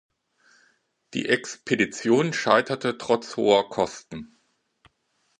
Die Expedition scheiterte trotz hoher Kosten.